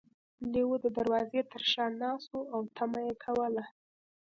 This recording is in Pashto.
لیوه د دروازې تر شا ناست و او تمه یې کوله.